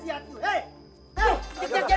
sudah ya takut telat